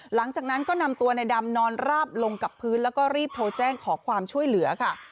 หลังจากนั้นก็นำตัวในดำนอนราบลงกับพื้นแล้วก็รีบโทรแจ้งขอความช่วยเหลือค่ะ